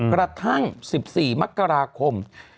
กระทั่ง๑๔มกราคม